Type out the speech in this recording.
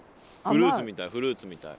フルーツみたいフルーツみたい。